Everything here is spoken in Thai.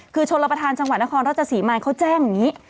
คือชนรับประทานจังหวัดนครราชสีมาเขาแจ้งอย่างนี้